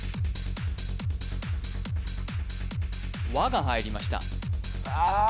わ」が入りましたさあ